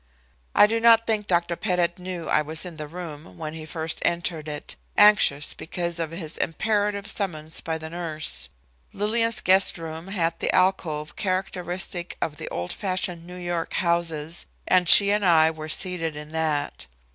I do not think Dr. Pettit knew I was in the room when he first entered it, anxious because of his imperative summons by the nurse. Lillian's guest room had the alcove characteristic of the old fashioned New York houses, and she and I were seated in that.